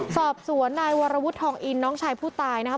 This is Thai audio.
สอบสวนนายวรวุฒิทองอินน้องชายผู้ตายนะครับ